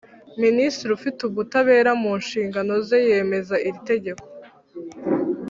Minisitiri ufite ubutabera mu nshingano ze yemeza iri tegeko